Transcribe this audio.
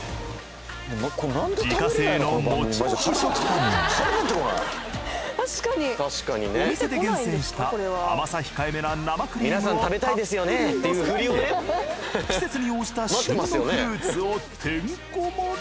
自家製のモチモチ食パンにお店で厳選した甘さ控えめな生クリームをたっぷりのせて季節に応じた旬のフルーツをてんこ盛り。